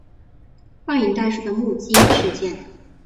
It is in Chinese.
幻影袋鼠的目击事件。